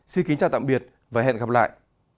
xin kính chào tạm biệt và hẹn gặp lại